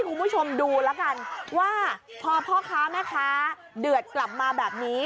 คุณผู้ชมดูแล้วกันว่าพอพ่อค้าแม่ค้าเดือดกลับมาแบบนี้